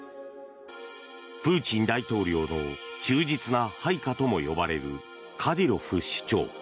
プーチン大統領の忠実な配下とも呼ばれるカディロフ首長。